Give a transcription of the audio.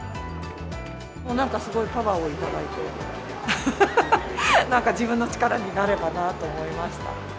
もうなんかすごいパワーを頂いて、なんか自分の力になればなと思いました。